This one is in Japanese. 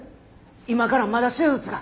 今からまだ手術が。